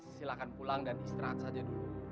silahkan pulang dan istirahat saja dulu